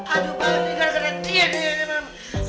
aduh mbak tinggal karena dia nih